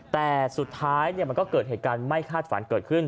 แต่สุดท้ายมันก็เกิดเหตุการณ์ไม่คาดฝันเกิดขึ้น